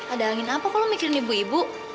ada angin apa kok lu mikirin ibu ibu